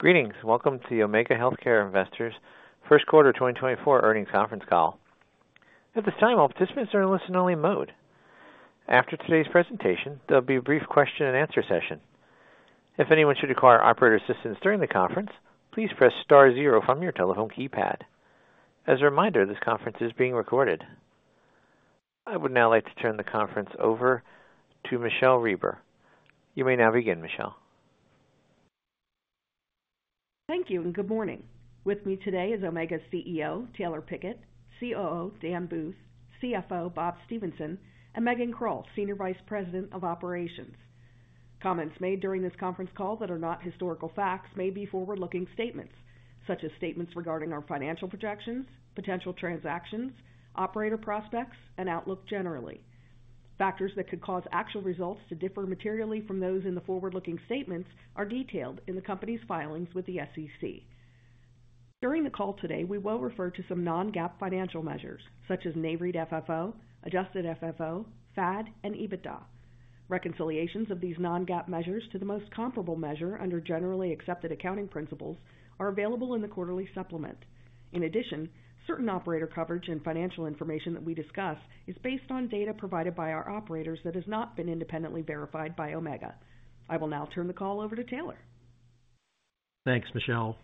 Greetings! Welcome to Omega Healthcare Investors First Quarter 2024 Earnings Conference Call. At this time, all participants are in listen-only mode. After today's presentation, there'll be a brief question and answer session. If anyone should require operator assistance during the conference, please press star zero from your telephone keypad. As a reminder, this conference is being recorded. I would now like to turn the conference over to Michelle Reber. You may now begin, Michelle. Thank you, and good morning. With me today is Omega CEO, Taylor Pickett, COO, Dan Booth, CFO, Bob Stephenson, and Megan Krull, Senior Vice President of Operations. Comments made during this conference call that are not historical facts may be forward-looking statements, such as statements regarding our financial projections, potential transactions, operator prospects, and outlook generally. Factors that could cause actual results to differ materially from those in the forward-looking statements are detailed in the company's filings with the SEC. During the call today, we will refer to some non-GAAP financial measures such as NAREIT FFO, adjusted FFO, FAD and EBITDA. Reconciliations of these non-GAAP measures to the most comparable measure under generally accepted accounting principles are available in the quarterly supplement. In addition, certain operator coverage and financial information that we discuss is based on data provided by our operators that has not been independently verified by Omega. I will now turn the call over to Taylor. Thanks, Michelle.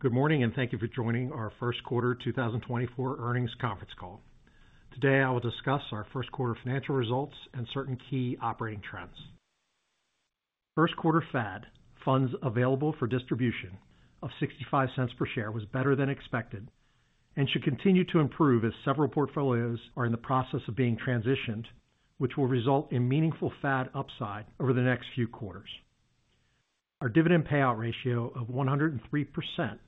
Good morning, and thank you for joining our first quarter 2024 earnings conference call. Today, I will discuss our first quarter financial results and certain key operating trends. First quarter FAD, funds available for distribution of $0.65 per share was better than expected, and should continue to improve as several portfolios are in the process of being transitioned, which will result in meaningful FAD upside over the next few quarters. Our dividend payout ratio of 103%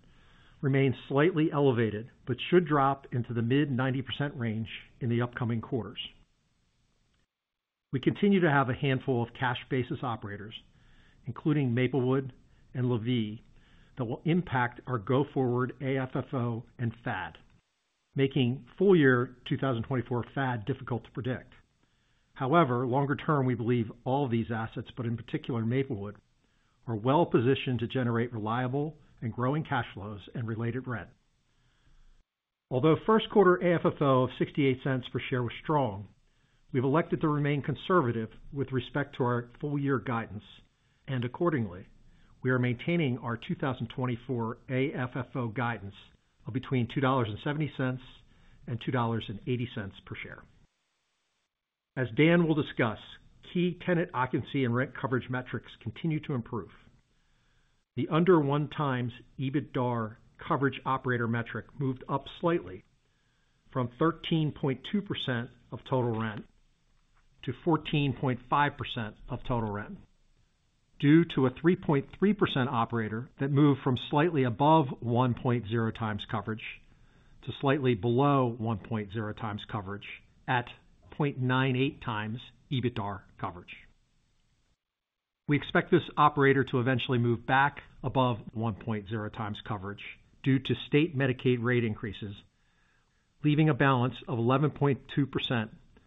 remains slightly elevated, but should drop into the mid-90% range in the upcoming quarters. We continue to have a handful of cash basis operators, including Maplewood and La Vie, that will impact our go-forward AFFO and FAD, making full year 2024 FAD difficult to predict. However, longer term, we believe all these assets, but in particular Maplewood, are well positioned to generate reliable and growing cash flows and related rent. Although first quarter AFFO of $0.68 per share was strong, we've elected to remain conservative with respect to our full year guidance, and accordingly, we are maintaining our 2024 AFFO guidance of between $2.70 and $2.80 per share. As Dan will discuss, key tenant occupancy and rent coverage metrics continue to improve. The under 1x EBITDAR coverage operator metric moved up slightly from 13.2% of total rent to 14.5% of total rent, due to a 3.3% operator that moved from slightly above 1.0x coverage to slightly below 1.0x coverage at 0.98x EBITDAR coverage. We expect this operator to eventually move back above 1.0x coverage due to state Medicaid rate increases, leaving a balance of 11.2%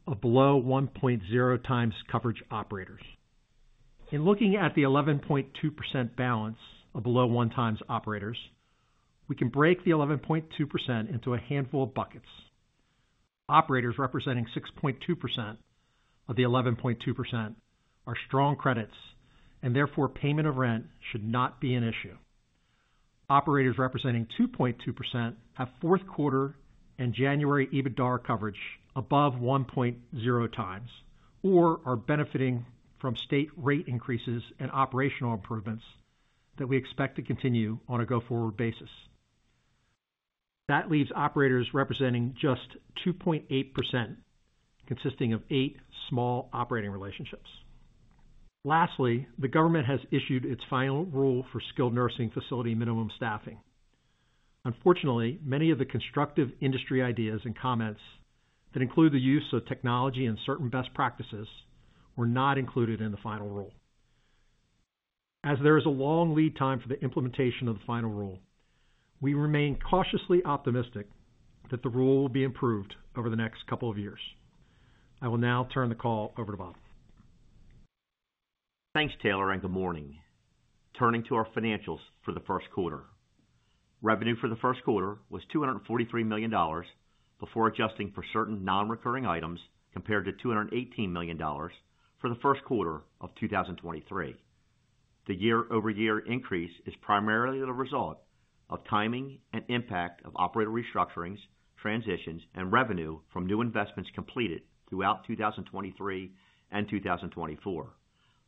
of below 1.0x coverage operators. In looking at the 11.2% balance of below 1x operators, we can break the 11.2% into a handful of buckets. Operators representing 6.2% of the 11.2% are strong credits and therefore payment of rent should not be an issue. Operators representing 2.2% have fourth quarter and January EBITDAR coverage above 1.0x, or are benefiting from state rate increases and operational improvements that we expect to continue on a go-forward basis. That leaves operators representing just 2.8%, consisting of 8 small operating relationships. Lastly, the government has issued its final rule for skilled nursing facility minimum staffing. Unfortunately, many of the constructive industry ideas and comments that include the use of technology and certain best practices were not included in the final rule. As there is a long lead time for the implementation of the final rule, we remain cautiously optimistic that the rule will be improved over the next couple of years. I will now turn the call over to Bob. Thanks, Taylor, and good morning. Turning to our financials for the first quarter. Revenue for the first quarter was $243 million before adjusting for certain non-recurring items, compared to $218 million for the first quarter of 2023. The year-over-year increase is primarily the result of timing and impact of operator restructurings, transitions, and revenue from new investments completed throughout 2023 and 2024,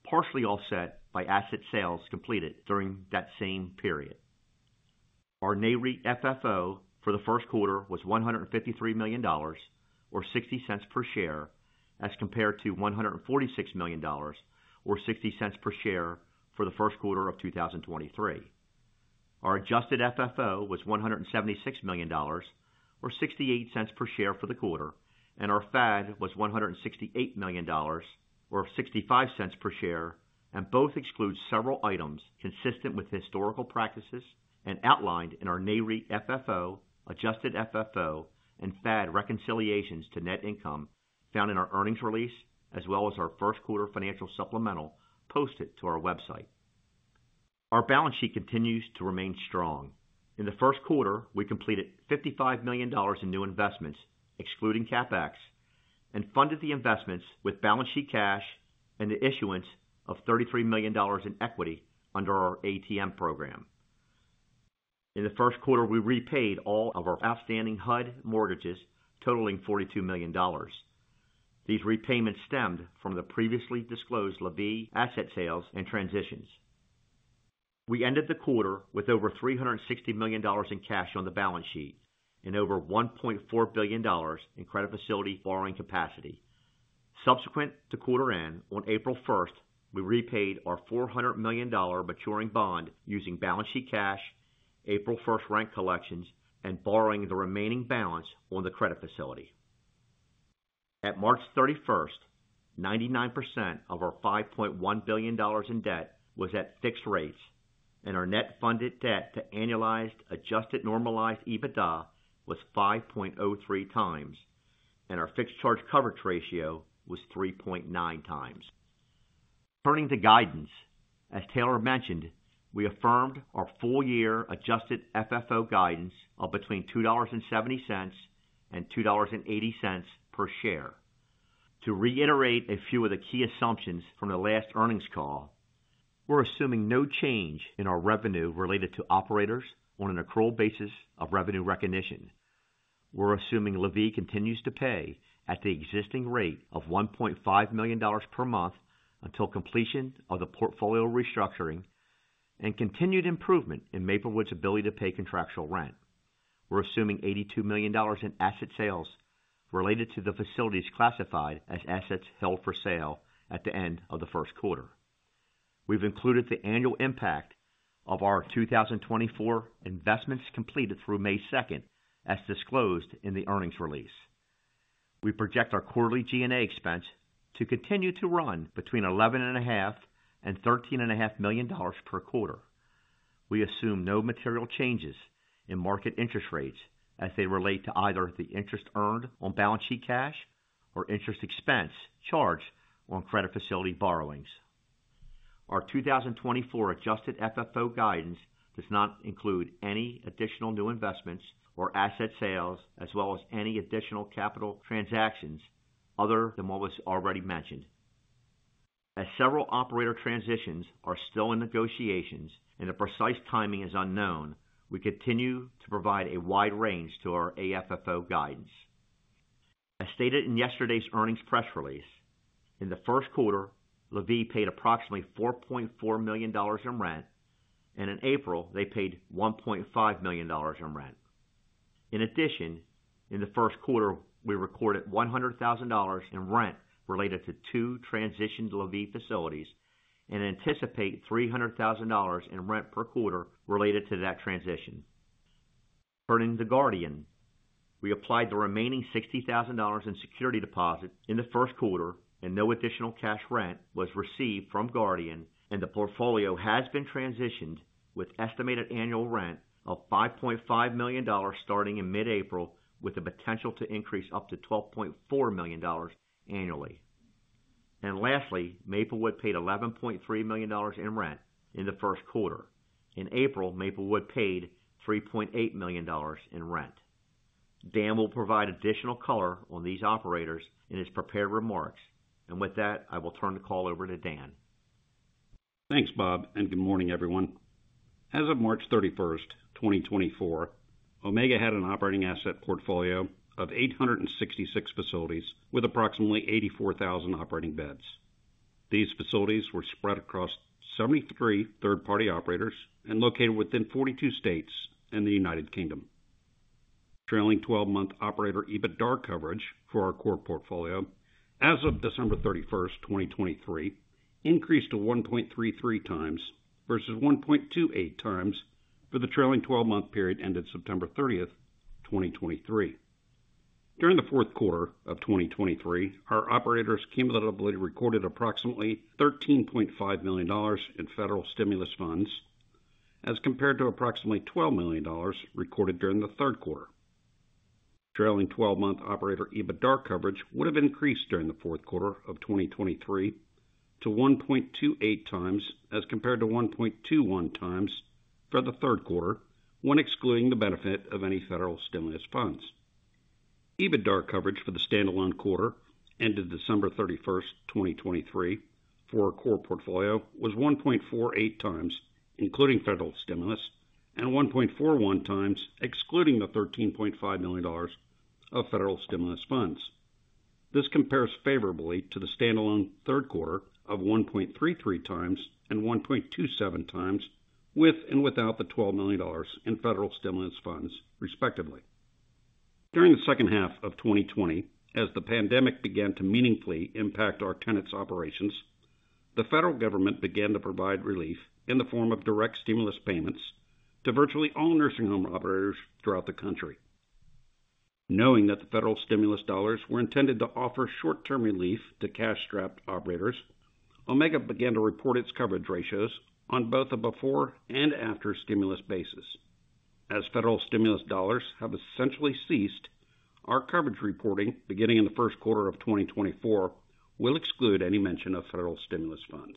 partially offset by asset sales completed during that same period. Our NAREIT FFO for the first quarter was $153 million or $0.60 per share, as compared to $146 million or $0.60 per share for the first quarter of 2023. Our adjusted FFO was $176 million, or $0.68 per share for the quarter, and our FAD was $168 million or $0.65 per share, and both exclude several items consistent with historical practices and outlined in our NAREIT FFO, adjusted FFO, and FAD reconciliations to net income found in our earnings release, as well as our first quarter financial supplemental posted to our website. Our balance sheet continues to remain strong. In the first quarter, we completed $55 million in new investments, excluding CapEx, and funded the investments with balance sheet cash and the issuance of $33 million in equity under our ATM program. In the first quarter, we repaid all of our outstanding HUD mortgages, totaling $42 million. These repayments stemmed from the previously disclosed La Vie asset sales and transitions. We ended the quarter with over $360 million in cash on the balance sheet and over $1.4 billion in credit facility borrowing capacity. Subsequent to quarter end, on April 1st, we repaid our $400 million maturing bond using balance sheet cash, April 1st rent collections, and borrowing the remaining balance on the credit facility. At March 31st, 99% of our $5.1 billion in debt was at fixed rates, and our net funded debt to annualized adjusted normalized EBITDA was 5.03x, and our fixed charge coverage ratio was 3.9x. Turning to guidance, as Taylor mentioned, we affirmed our full year adjusted FFO guidance of between $2.70 and $2.80 per share. To reiterate a few of the key assumptions from the last earnings call, we're assuming no change in our revenue related to operators on an accrual basis of revenue recognition. We're assuming La Vie continues to pay at the existing rate of $1.5 million per month until completion of the portfolio restructuring and continued improvement in Maplewood's ability to pay contractual rent. We're assuming $82 million in asset sales related to the facilities classified as assets held for sale at the end of the first quarter. We've included the annual impact of our 2024 investments completed through May 2nd, as disclosed in the earnings release. We project our quarterly G&A expense to continue to run between $11.5 million and $13.5 million per quarter. We assume no material changes in market interest rates as they relate to either the interest earned on balance sheet cash or interest expense charged on credit facility borrowings. Our 2024 adjusted FFO guidance does not include any additional new investments or asset sales, as well as any additional capital transactions other than what was already mentioned. As several operator transitions are still in negotiations and the precise timing is unknown, we continue to provide a wide range to our AFFO guidance. As stated in yesterday's earnings press release, in the first quarter, La Vie paid approximately $4.4 million in rent, and in April, they paid $1.5 million in rent. In addition, in the first quarter, we recorded $100,000 in rent related to two transitioned La Vie facilities and anticipate $300,000 in rent per quarter related to that transition. Turning to Guardian, we applied the remaining $60,000 in security deposits in the first quarter, and no additional cash rent was received from Guardian, and the portfolio has been transitioned with estimated annual rent of $5.5 million starting in mid-April, with the potential to increase up to $12.4 million annually. Lastly, Maplewood paid $11.3 million in rent in the first quarter. In April, Maplewood paid $3.8 million in rent. Dan will provide additional color on these operators in his prepared remarks. With that, I will turn the call over to Dan. Thanks, Bob, and good morning, everyone. As of March 31, 2024, Omega had an operating asset portfolio of 866 facilities with approximately 84,000 operating beds. These facilities were spread across 73 third-party operators and located within 42 states and the United Kingdom. Trailing 12-month operator EBITDAR coverage for our core portfolio as of December 31, 2023, increased to 1.33x versus 1.28x for the trailing 12-month period ended September 30, 2023. During the fourth quarter of 2023, our operators cumulatively recorded approximately $13.5 million in federal stimulus funds, as compared to approximately $12 million recorded during the third quarter. Trailing 12-month operator EBITDAR coverage would have increased during the fourth quarter of 2023 to 1.28x, as compared to 1.21x for the third quarter, when excluding the benefit of any federal stimulus funds. EBITDAR coverage for the standalone quarter ended December 31, 2023 for our core portfolio was 1.48x, including federal stimulus, and 1.41x excluding the $13.5 million of federal stimulus funds. This compares favorably to the standalone third quarter of 1.33x and 1.27x, with and without the $12 million in federal stimulus funds, respectively. During the second half of 2020, as the pandemic began to meaningfully impact our tenants' operations, the federal government began to provide relief in the form of direct stimulus payments to virtually all nursing home operators throughout the country. Knowing that the federal stimulus dollars were intended to offer short-term relief to cash-strapped operators, Omega began to report its coverage ratios on both a before and after stimulus basis. As federal stimulus dollars have essentially ceased, our coverage reporting, beginning in the first quarter of 2024, will exclude any mention of federal stimulus funds.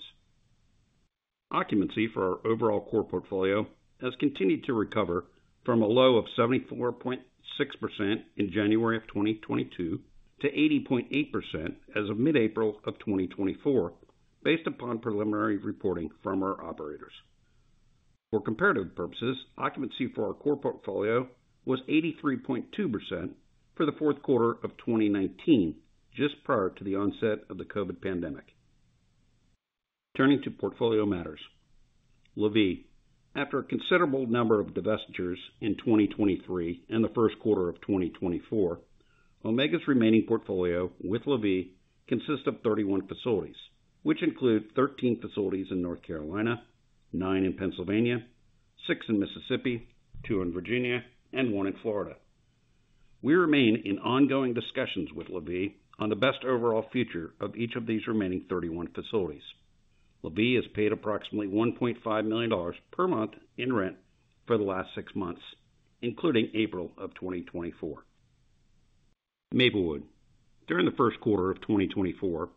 Occupancy for our overall core portfolio has continued to recover from a low of 74.6% in January of 2022 to 80.8% as of mid-April of 2024, based upon preliminary reporting from our operators. For comparative purposes, occupancy for our core portfolio was 83.2% for the fourth quarter of 2019, just prior to the onset of the COVID pandemic. Turning to portfolio matters. La Vie. After a considerable number of divestitures in 2023 and the first quarter of 2024, Omega's remaining portfolio with La Vie consists of 31 facilities, which include 13 facilities in North Carolina, nine in Pennsylvania, six in Mississippi, two in Virginia, and one in Florida. We remain in ongoing discussions with La Vie on the best overall future of each of these remaining 31 facilities. La Vie has paid approximately $1.5 million per month in rent for the last 6 months, including April of 2024. Maplewood. During the first quarter of 2024,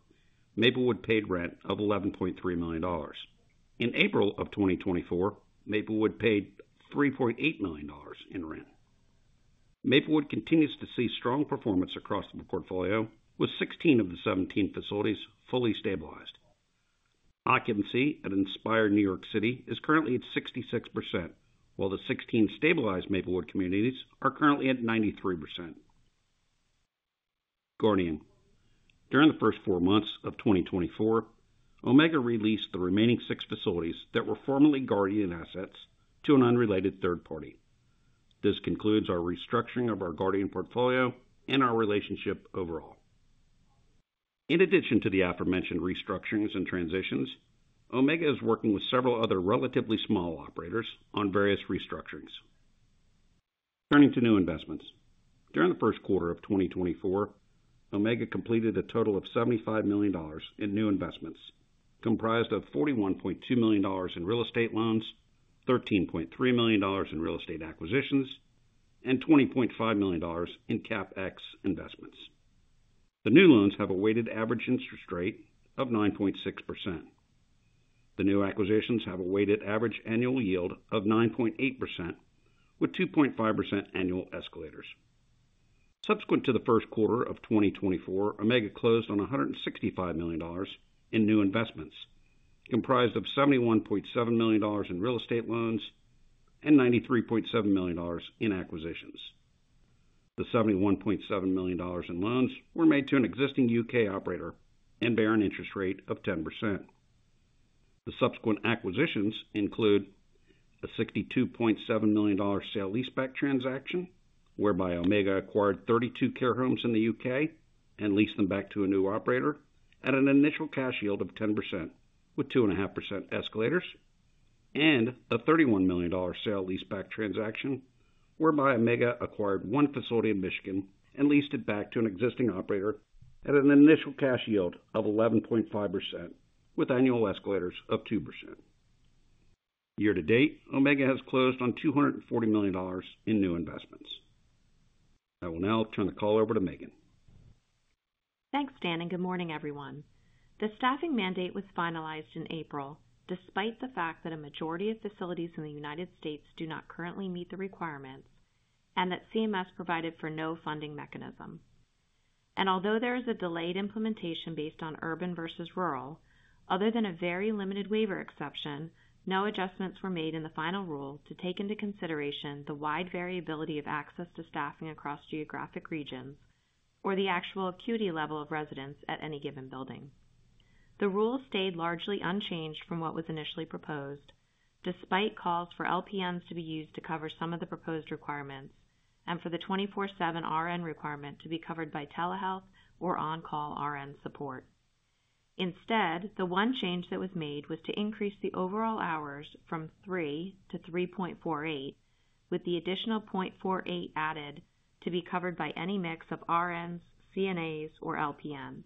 Maplewood paid rent of $11.3 million. In April 2024, Maplewood paid $3.8 million in rent. Maplewood continues to see strong performance across the portfolio, with 16 of the 17 facilities fully stabilized. Occupancy at Inspire New York City is currently at 66%, while the 16 stabilized Maplewood communities are currently at 93%. Guardian. During the first 4 months of 2024, Omega released the remaining six facilities that were formerly Guardian assets to an unrelated third party. This concludes our restructuring of our Guardian portfolio and our relationship overall. In addition to the aforementioned restructurings and transitions, Omega is working with several other relatively small operators on various restructurings. Turning to new investments. During the first quarter of 2024, Omega completed a total of $75 million in new investments, comprised of $41.2 million in real estate loans, $13.3 million in real estate acquisitions, and $20.5 million in CapEx investments. The new loans have a weighted average interest rate of 9.6%. The new acquisitions have a weighted average annual yield of 9.8%, with 2.5% annual escalators. Subsequent to the first quarter of 2024, Omega closed on $165 million in new investments, comprised of $71.7 million in real estate loans and $93.7 million in acquisitions. The $71.7 million in loans were made to an existing U.K. operator and bear an interest rate of 10%. The subsequent acquisitions include a $62.7 million sale leaseback transaction, whereby Omega acquired 32 care homes in the U.K. and leased them back to a new operator at an initial cash yield of 10%, with 2.5% escalators, and a $31 million sale leaseback transaction, whereby Omega acquired one facility in Michigan and leased it back to an existing operator at an initial cash yield of 11.5%, with annual escalators of 2%. Year to date, Omega has closed on $240 million in new investments. I will now turn the call over to Megan. Thanks, Dan, and good morning, everyone. The staffing mandate was finalized in April, despite the fact that a majority of facilities in the United States do not currently meet the requirements and that CMS provided for no funding mechanism. Although there is a delayed implementation based on urban versus rural, other than a very limited waiver exception, no adjustments were made in the final rule to take into consideration the wide variability of access to staffing across geographic regions or the actual acuity level of residents at any given building. The rule stayed largely unchanged from what was initially proposed, despite calls for LPNs to be used to cover some of the proposed requirements and for the 24/7 RN requirement to be covered by telehealth or on-call RN support. Instead, the one change that was made was to increase the overall hours from 3 to 3.48, with the additional 0.48 added to be covered by any mix of RNs, CNAs, or LPNs.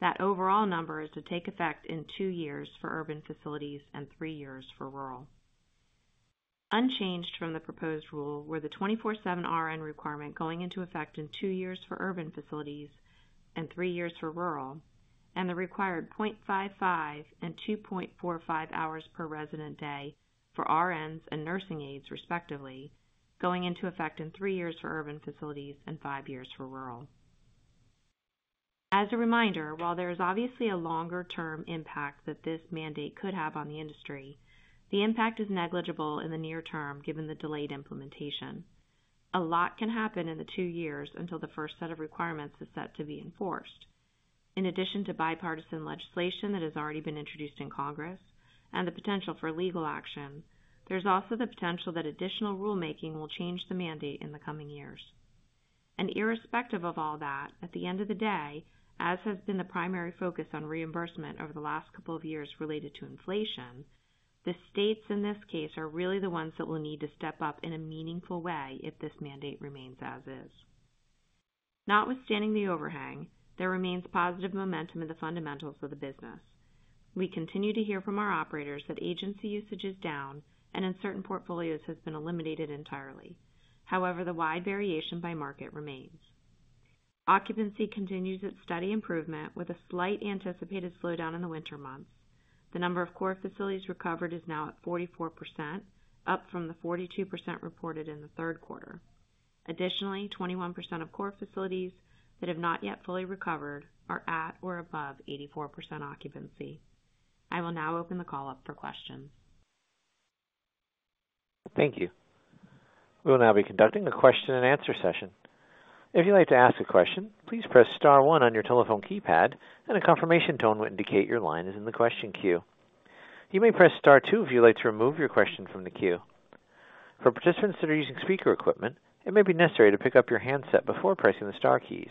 That overall number is to take effect in 2 years for urban facilities and 3 years for rural. Unchanged from the proposed rule were the 24/7 RN requirement going into effect in 2 years for urban facilities and 3 years for rural, and the required 0.55 and 2.45 hours per resident day for RNs and nursing aides, respectively, going into effect in 3 years for urban facilities and 5 years for rural. As a reminder, while there is obviously a longer term impact that this mandate could have on the industry, the impact is negligible in the near term, given the delayed implementation. A lot can happen in the two years until the first set of requirements is set to be enforced. In addition to bipartisan legislation that has already been introduced in Congress and the potential for legal action, there's also the potential that additional rulemaking will change the mandate in the coming years. Irrespective of all that, at the end of the day, as has been the primary focus on reimbursement over the last couple of years related to inflation, the states in this case, are really the ones that will need to step up in a meaningful way if this mandate remains as is. ...Notwithstanding the overhang, there remains positive momentum in the fundamentals of the business. We continue to hear from our operators that agency usage is down and in certain portfolios has been eliminated entirely. However, the wide variation by market remains. Occupancy continues its steady improvement, with a slight anticipated slowdown in the winter months. The number of core facilities recovered is now at 44%, up from the 42% reported in the third quarter. Additionally, 21% of core facilities that have not yet fully recovered are at or above 84% occupancy. I will now open the call up for questions. Thank you. We will now be conducting a question and answer session. If you'd like to ask a question, please press star one on your telephone keypad, and a confirmation tone will indicate your line is in the question queue. You may press star two if you'd like to remove your question from the queue. For participants that are using speaker equipment, it may be necessary to pick up your handset before pressing the star keys.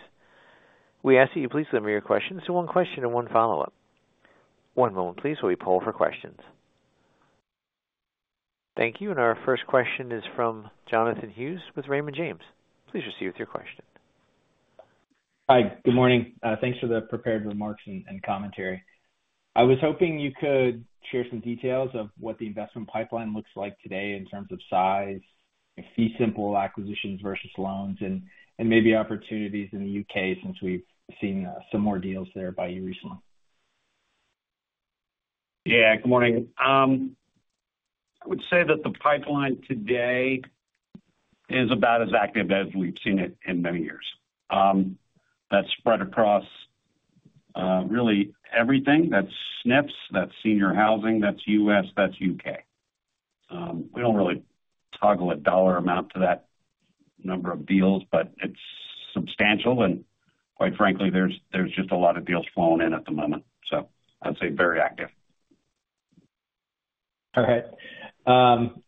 We ask that you please limit your questions to one question and one follow-up. One moment please, while we poll for questions. Thank you, and our first question is from Jonathan Hughes with Raymond James. Please proceed with your question. Hi, good morning. Th`anks for the prepared remarks and commentary. I was hoping you could share some details of what the investment pipeline looks like today in terms of size, fee simple acquisitions versus loans and maybe opportunities in the U.K., since we've seen some more deals there by you recently. Yeah, good morning. I would say that the pipeline today is about as active as we've seen it in many years. That's spread across, really everything. That's SNFs, that's senior housing, that's U.S., that's U.K. We don't really toggle a dollar amount to that number of deals, but it's substantial. And quite frankly, there's just a lot of deals flowing in at the moment, so I'd say very active. All right.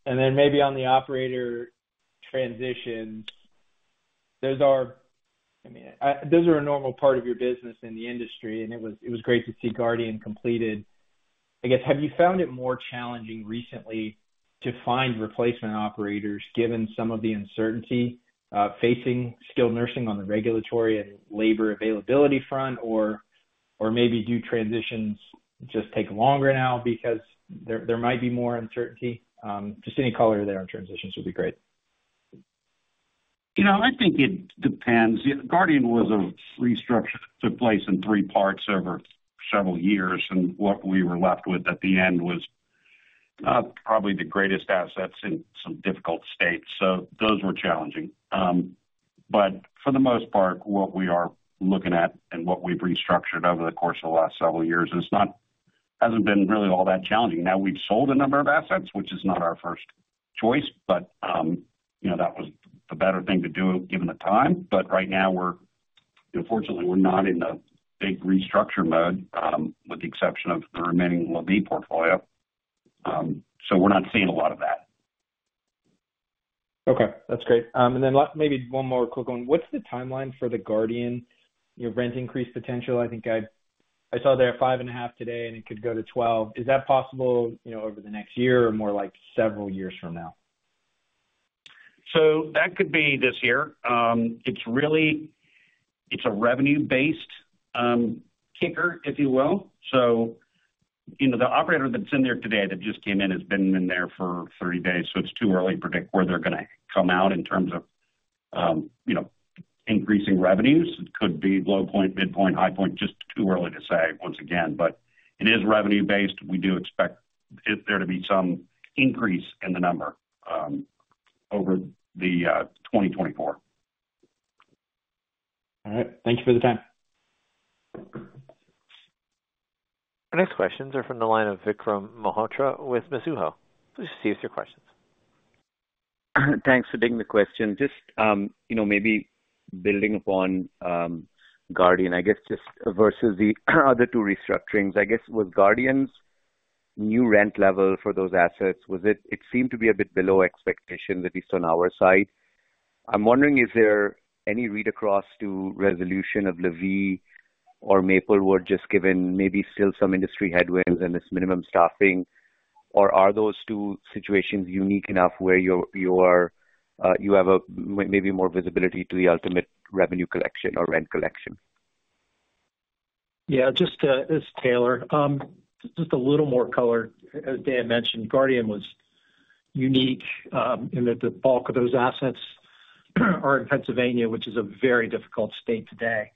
And then maybe on the operator transitions, those are, I mean, those are a normal part of your business in the industry, and it was great to see Guardian completed. I guess, have you found it more challenging recently to find replacement operators, given some of the uncertainty facing skilled nursing on the regulatory and labor availability front? Or maybe do transitions just take longer now because there might be more uncertainty? Just any color there on transitions would be great. You know, I think it depends. Guardian was a restructure, took place in three parts over several years, and what we were left with at the end was probably the greatest assets in some difficult states. So those were challenging. But for the most part, what we are looking at and what we've restructured over the course of the last several years is not-- hasn't been really all that challenging. Now, we've sold a number of assets, which is not our first choice, but you know, that was the better thing to do given the time. But right now, we're fortunately, we're not in the big restructure mode with the exception of the remaining La Vie portfolio. So we're not seeing a lot of that. Okay, that's great. And then maybe one more quick one. What's the timeline for the Guardian, you know, rent increase potential? I think I saw there 5.5 today, and it could go to 12. Is that possible, you know, over the next year or more, like several years from now? So that could be this year. It's really, it's a revenue-based kicker, if you will. So, you know, the operator that's in there today, that just came in, has been in there for 30 days, so it's too early to predict where they're gonna come out in terms of, you know, increasing revenues. It could be low point, mid-point, high point, just too early to say once again, but it is revenue-based. We do expect there to be some increase in the number over the 2024. All right. Thank you for the time. Our next questions are from the line of Vikram Malhotra with Mizuho. Please proceed with your questions. Thanks for taking the question. Just, you know, maybe building upon, Guardian, I guess, just versus the other two restructurings. I guess, with Guardian's new rent level for those assets, was it-- it seemed to be a bit below expectations, at least on our side. I'm wondering, is there any read across to resolution of La Vie or Maplewood, just given maybe still some industry headwinds and this minimum staffing? Or are those two situations unique enough where your, you are, you have a maybe more visibility to the ultimate revenue collection or rent collection? Yeah, just, this is Taylor. Just a little more color. As Dan mentioned, Guardian was unique in that the bulk of those assets are in Pennsylvania, which is a very difficult state today.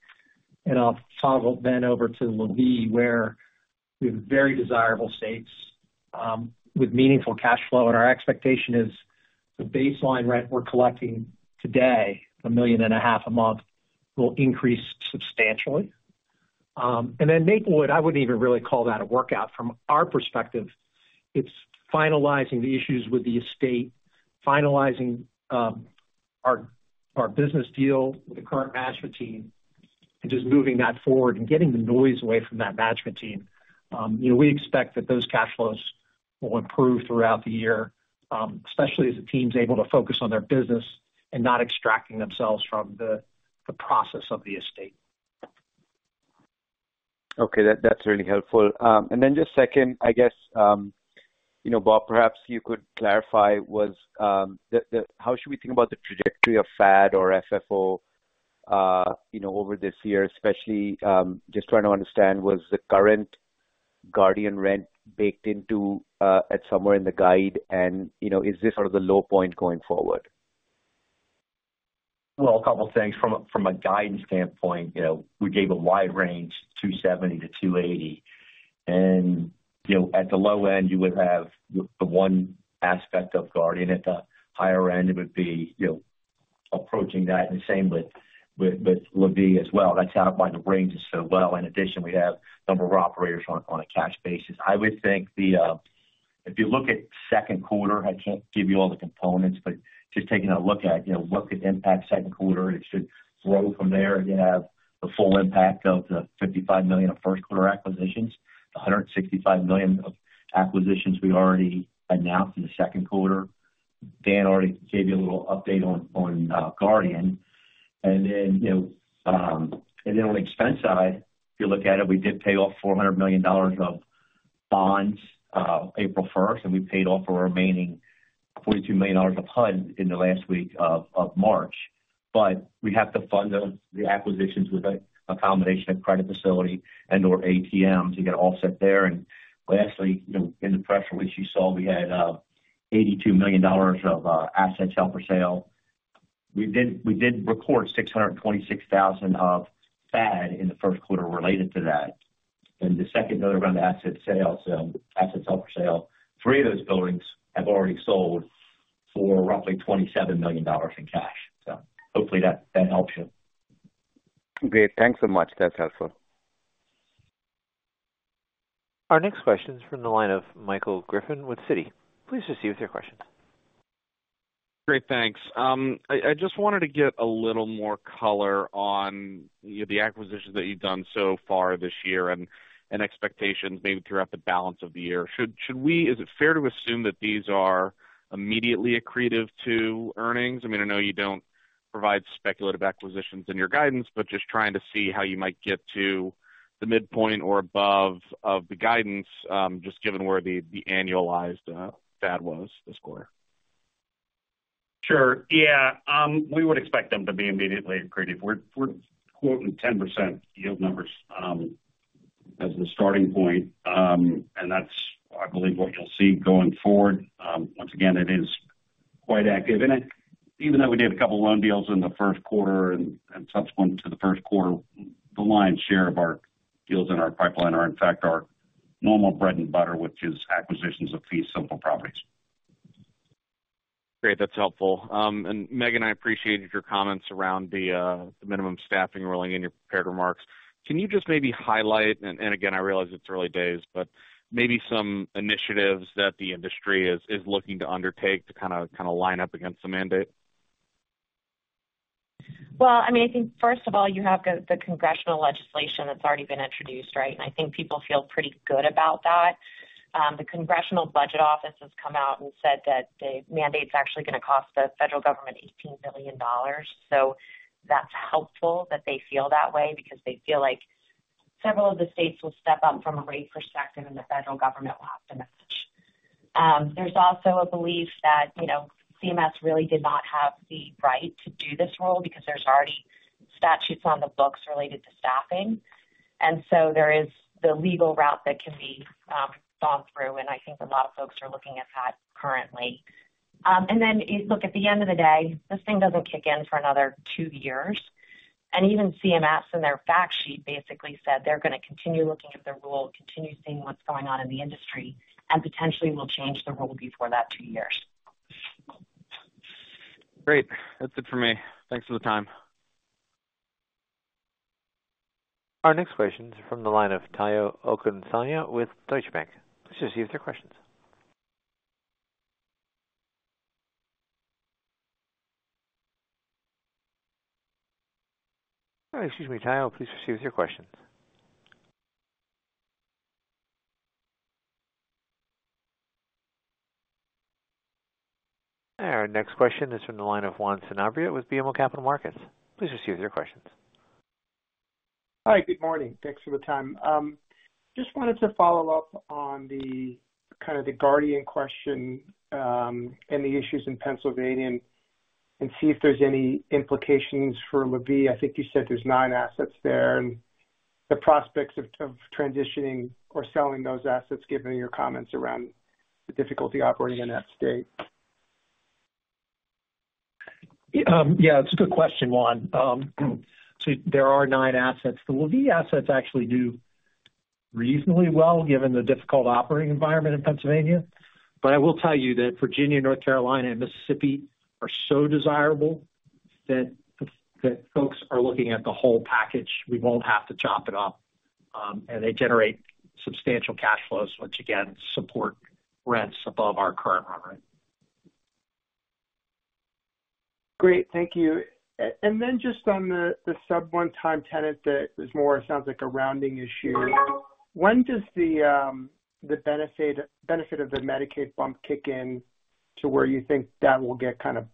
And I'll toggle then over to La Vie, where we have very desirable states with meaningful cash flow. And our expectation is the baseline rent we're collecting today, $1.5 million a month, will increase substantially. And then Maplewood, I wouldn't even really call that a workout. From our perspective, it's finalizing the issues with the estate, finalizing our business deal with the current management team, and just moving that forward and getting the noise away from that management team. You know, we expect that those cash flows will improve throughout the year, especially as the team's able to focus on their business and not extracting themselves from the process of the estate.... Okay, that, that's really helpful. And then just second, I guess, you know, Bob, perhaps you could clarify how should we think about the trajectory of FAD or FFO, you know, over this year, especially just trying to understand, was the current Guardian rent baked into at somewhere in the guide? And, you know, is this sort of the low point going forward? Well, a couple things. From a, from a guidance standpoint, you know, we gave a wide range, $2.70-$2.80, and, you know, at the low end, you would have the one aspect of Guardian. At the higher end, it would be, you know, approaching that, and same with, with, with La Vie as well. That's how I find the ranges so well. In addition, we have a number of operators on, on a cash basis. I would think the, If you look at second quarter, I can't give you all the components, but just taking a look at, you know, what could impact second quarter, it should flow from there. You have the full impact of the $55 million of first quarter acquisitions, the $165 million of acquisitions we already announced in the second quarter. Dan already gave you a little update on Guardian. And then, you know, and then on the expense side, if you look at it, we did pay off $400 million of bonds April first, and we paid off a remaining $42 million of HUD in the last week of March. But we have to fund the acquisitions with a combination of credit facility and/or ATM to get it all set there. And lastly, you know, in the press release you saw, we had $82 million of assets held for sale. We did record 626,000 of FAD in the first quarter related to that. And the second note around the asset sales, assets held for sale, three of those buildings have already sold for roughly $27 million in cash. Hopefully that helps you. Great. Thanks so much. That's helpful. Our next question is from the line of Michael Griffin with Citi. Please proceed with your question. Great, thanks. I just wanted to get a little more color on, you know, the acquisitions that you've done so far this year and expectations maybe throughout the balance of the year. Should we-- Is it fair to assume that these are immediately accretive to earnings? I mean, I know you don't provide speculative acquisitions in your guidance, but just trying to see how you might get to the midpoint or above of the guidance, just given where the annualized FAD was this quarter. Sure. Yeah, we would expect them to be immediately accretive. We're quoting 10% yield numbers as the starting point. And that's, I believe, what you'll see going forward. Once again, it is quite active, and even though we did a couple loan deals in the first quarter and subsequent to the first quarter, the lion's share of our deals in our pipeline are, in fact, our normal bread and butter, which is acquisitions of fee simple properties. Great, that's helpful. And Megan, I appreciated your comments around the minimum staffing ruling in your prepared remarks. Can you just maybe highlight, and again, I realize it's early days, but maybe some initiatives that the industry is looking to undertake to kind of line up against the mandate? Well, I mean, I think first of all, you have the congressional legislation that's already been introduced, right? And I think people feel pretty good about that. The Congressional Budget Office has come out and said that the mandate is actually gonna cost the federal government $18 billion. So that's helpful that they feel that way because they feel like several of the states will step up from a rate perspective, and the federal government will have to match. There's also a belief that, you know, CMS really did not have the right to do this rule because there's already statutes on the books related to staffing, and so there is the legal route that can be thought through, and I think a lot of folks are looking at that currently. And then you look at the end of the day, this thing doesn't kick in for another two years, and even CMS, in their fact sheet, basically said they're gonna continue looking at the rule, continue seeing what's going on in the industry, and potentially will change the rule before that two years. Great. That's it for me. Thanks for the time. Our next question is from the line of Tayo Okunsanya with Deutsche Bank. Please proceed with your questions. Excuse me, Tayo. Please proceed with your questions. Our next question is from the line of Juan Sanabria with BMO Capital Markets. Please proceed with your questions. Hi, good morning. Thanks for the time. Just wanted to follow up on the, kind of, the Guardian question, and the issues in Pennsylvania and see if there's any implications for La Vie. I think you said there's nine assets there and the prospects of transitioning or selling those assets, given your comments around the difficulty operating in that state. Yeah, it's a good question, Juan. So there are nine assets. The La Vie assets actually do reasonably well, given the difficult operating environment in Pennsylvania. But I will tell you that Virginia, North Carolina, and Mississippi are so desirable that folks are looking at the whole package. We won't have to chop it up, and they generate substantial cash flows, which again, support rents above our current run rate. Great. Thank you. And then just on the sub one-time tenant, that is, more sounds like a rounding issue.... When does the benefit of the Medicaid bump kick in to where you think that will get kind of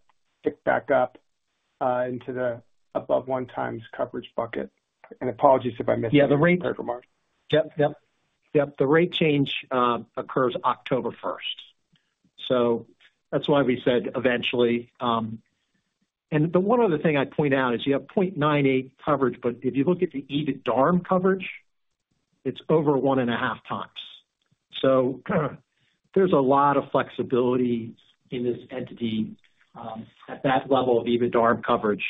picked back up into the above 1x coverage bucket? And apologies if I missed it. Yeah, the rate- Remark. Yep, yep. Yep, the rate change occurs October first. So that's why we said eventually. And the one other thing I'd point out is you have 0.98 coverage, but if you look at the EBITDA coverage, it's over 1.5x. So there's a lot of flexibility in this entity at that level of EBITDA coverage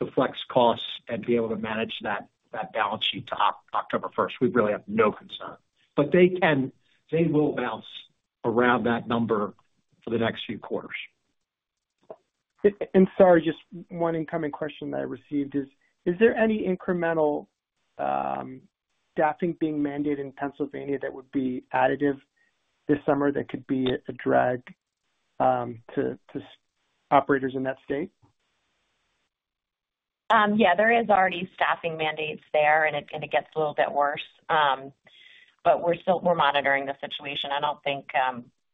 to flex costs and be able to manage that balance sheet to October first. We really have no concern. But they will bounce around that number for the next few quarters. Sorry, just one incoming question that I received is, is there any incremental staffing being mandated in Pennsylvania that would be additive this summer that could be a drag to operators in that state? Yeah, there is already staffing mandates there, and it gets a little bit worse. But we're still... We're monitoring the situation. I don't think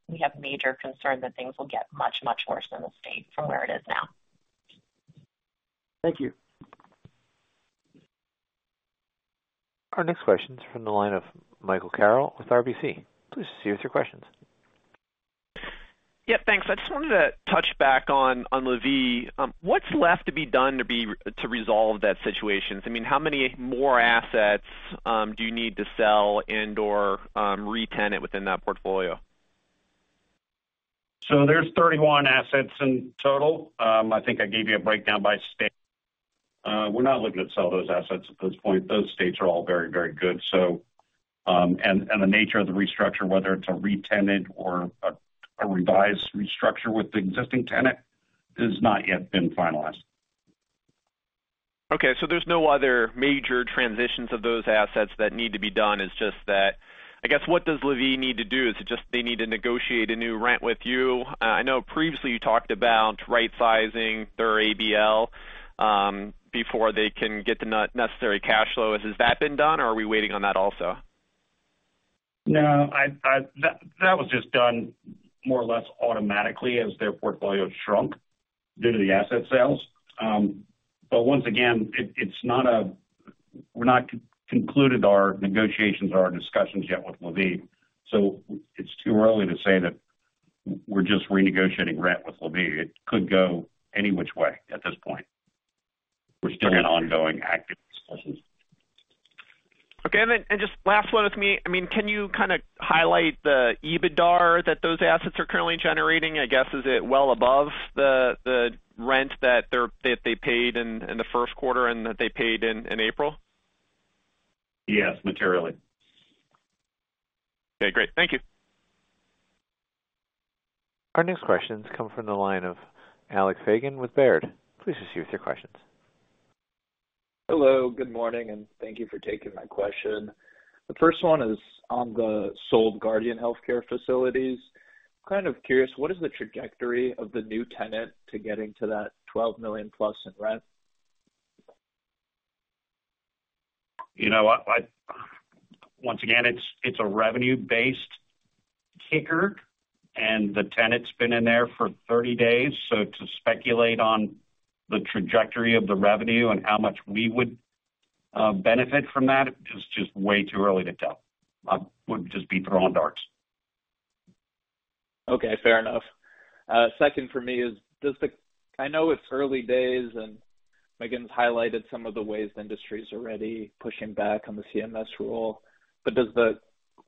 we have major concerns that things will get much, much worse in the state from where it is now. Thank you. Our next question is from the line of Michael Carroll with RBC. Please proceed with your questions. Yeah, thanks. I just wanted to touch back on, on La Vie. What's left to be done to be, to resolve that situation? I mean, how many more assets, do you need to sell and/or, retenant within that portfolio? So there's 31 assets in total. I think I gave you a breakdown by state. We're not looking to sell those assets at this point. Those states are all very, very good. So, the nature of the restructure, whether it's a retenant or a revised restructure with the existing tenant, has not yet been finalized. Okay, so there's no other major transitions of those assets that need to be done. It's just that, I guess, what does La Vie need to do? Is it just they need to negotiate a new rent with you? I know previously you talked about right-sizing their ABL, before they can get the necessary cash flow. Has that been done, or are we waiting on that also? No, that was just done more or less automatically as their portfolio shrunk due to the asset sales. But once again, we're not concluded our negotiations or our discussions yet with La Vie. So it's too early to say that we're just renegotiating rent with La Vie. It could go any which way at this point. We're still in ongoing, active discussions. Okay, and then, and just last one with me. I mean, can you kinda highlight the EBITDAR that those assets are currently generating? I guess, is it well above the, the rent that they're, that they paid in, in the first quarter and that they paid in, in April? Yes, materially. Okay, great. Thank you. Our next question comes from the line of Alec Fagan with Baird. Please proceed with your questions. Hello, good morning, and thank you for taking my question. The first one is on the sold Guardian Healthcare facilities. Kind of curious, what is the trajectory of the new tenant to getting to that $12 million+ in rent? You know what? Once again, it's a revenue-based kicker, and the tenant's been in there for 30 days, so to speculate on the trajectory of the revenue and how much we would benefit from that is just way too early to tell. I would just be throwing darts. Okay, fair enough. Second for me is,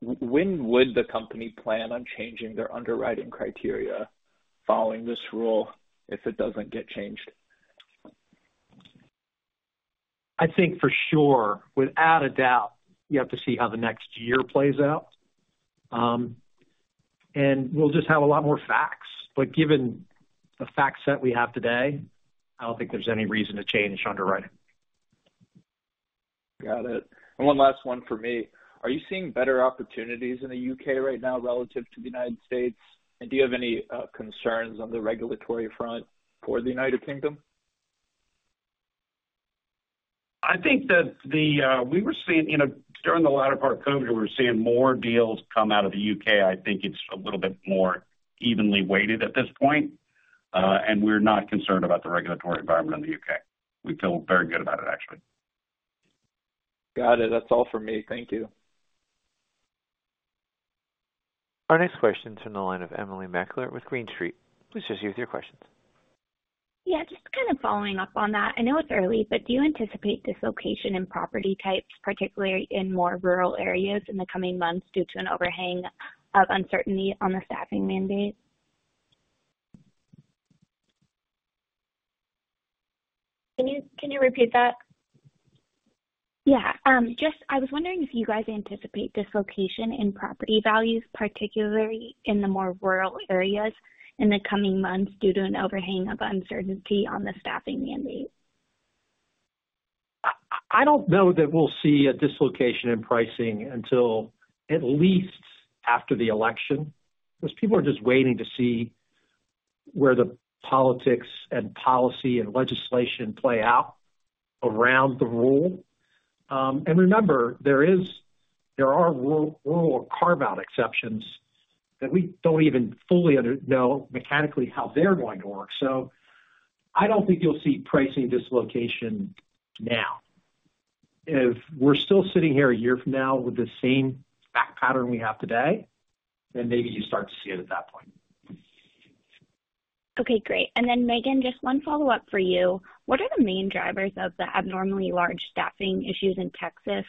when would the company plan on changing their underwriting criteria following this rule if it doesn't get changed? I think for sure, without a doubt, you have to see how the next year plays out. And we'll just have a lot more facts. But given the fact set we have today, I don't think there's any reason to change underwriting. Got it. One last one for me. Are you seeing better opportunities in the U.K. right now relative to the United States? Do you have any concerns on the regulatory front for the United Kingdom? I think that we were seeing, you know, during the latter part of COVID, we were seeing more deals come out of the U.K. I think it's a little bit more evenly weighted at this point. And we're not concerned about the regulatory environment in the U.K. We feel very good about it, actually. Got it. That's all for me. Thank you. Our next question is from the line of Emily Mackler with Green Street. Please proceed with your questions. Yeah, just kind of following up on that. I know it's early, but do you anticipate dislocation in property types, particularly in more rural areas, in the coming months due to an overhang of uncertainty on the staffing mandate? Can you, can you repeat that? Yeah. Just I was wondering if you guys anticipate dislocation in property values, particularly in the more rural areas, in the coming months due to an overhang of uncertainty on the staffing mandate? I don't know that we'll see a dislocation in pricing until at least after the election, because people are just waiting to see where the politics and policy and legislation play out around the rule. And remember, there are rural carve-out exceptions that we don't even fully understand mechanically how they're going to work. So I don't think you'll see pricing dislocation now. If we're still sitting here a year from now with the same fact pattern we have today, then maybe you start to see it at that point. Okay, great. And then, Megan, just one follow-up for you. What are the main drivers of the abnormally large staffing issues in Texas?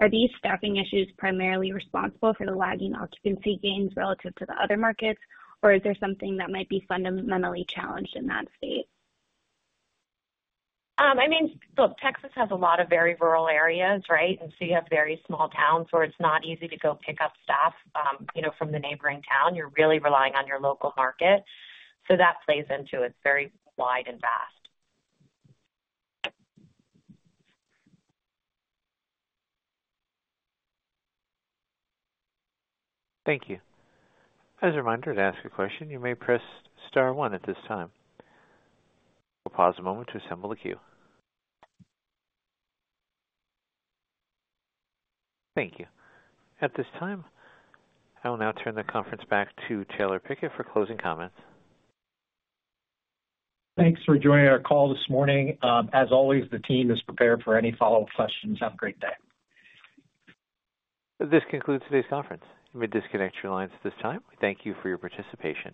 Are these staffing issues primarily responsible for the lagging occupancy gains relative to the other markets, or is there something that might be fundamentally challenged in that state? I mean, look, Texas has a lot of very rural areas, right? And so you have very small towns where it's not easy to go pick up staff, you know, from the neighboring town. You're really relying on your local market. So that plays into it, very wide and vast. Thank you. As a reminder, to ask a question, you may press star one at this time. We'll pause a moment to assemble the queue. Thank you. At this time, I will now turn the conference back to Taylor Pickett for closing comments. Thanks for joining our call this morning. As always, the team is prepared for any follow-up questions. Have a great day. This concludes today's conference. You may disconnect your lines at this time. Thank you for your participation.